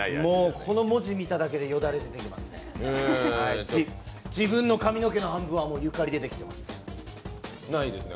この文字見ただけでよだれ、出てきますね。